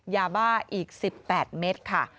ยาบ้าอีก๑๘เมตรค่ะ